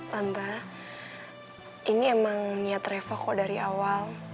tante ini emang niat revo kok dari awal